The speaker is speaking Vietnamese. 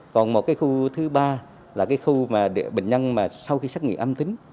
còn một cái khu thứ ba là cái khu mà bệnh nhân mà sau khi xét nghiệm âm tính